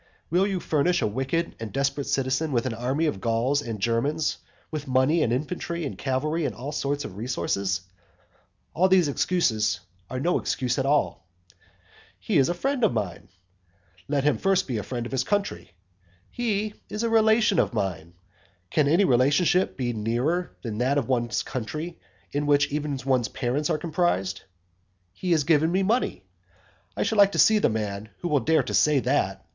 Will you furnish a wicked and desperate citizen with an army of Gauls and Germans, with money, and infantry, and cavalry, and all sorts of resources? All these excuses are no excuse at all. "He is a friend of mine." Let him first be a friend of his country. "He is a relation of mine." Can any relationship be nearer than that of one's country, in which even one's parents are comprised? "He has given me money:" I should like to see the man who will dare to say that.